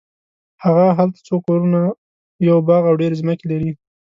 هغه هلته څو کورونه یو باغ او ډېرې ځمکې لري.